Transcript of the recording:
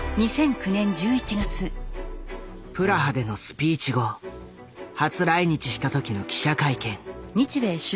プラハでのスピーチ後初来日した時の記者会見。